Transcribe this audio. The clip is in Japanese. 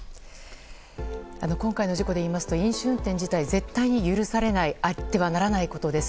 今回の事故で言いますと飲酒運転自体絶対に許されないあってはならないことです。